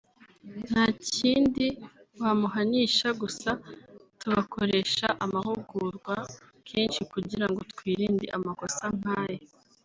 nta kindi wamuhanisha gusa tubakoresha amahugurwa kenshi kugira ngo twirinde amakosa nk’ayo